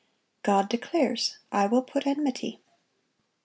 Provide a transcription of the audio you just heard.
God declares, "I will put enmity."